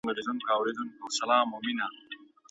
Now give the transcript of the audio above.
کلچه تل نه پخېږي.